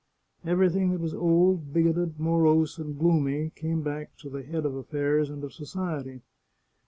Everything that was old, bigoted, morose, and gloomy came back to the head of aflfairs and of society.